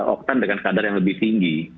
oktan dengan kadar yang lebih tinggi